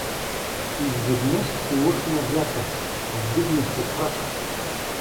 Изведнъж полъхна вятър, вдигна се прах.